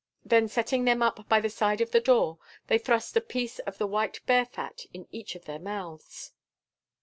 Then setting them up by the side of the door, they thrust a piece of the white bear fat in each of their mouths.